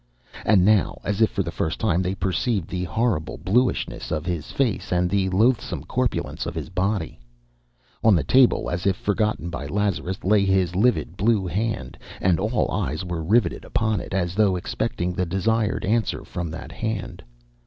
And now, as if for the first time, they perceived the horrible bluishness of his face and the loathsome corpulence of his body. On the table, as if forgotten by Lazarus, lay his livid blue hand, and all eyes were riveted upon it, as though expecting the desired answer from that hand.